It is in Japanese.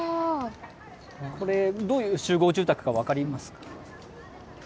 これどういう集合住宅か分かりますか？